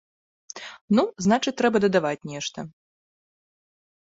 Ну, значыць трэба дадаваць нешта.